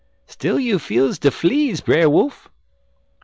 "'Still you feels de fleas, Brer Wolf.'